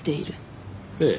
ええ。